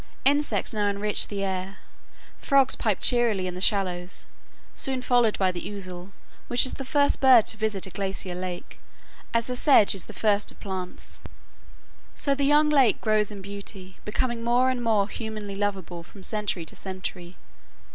Insects now enrich the air, frogs pipe cheerily in the shallows, soon followed by the ouzel, which is the first bird to visit a glacier lake, as the sedge is the first of plants. So the young lake grows in beauty, becoming more and more humanly lovable from century to century.